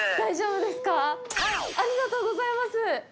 ありがとうございます！